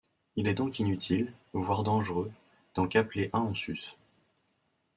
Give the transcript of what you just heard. Il est donc inutile, voire dangereux, d'en capeler un en sus.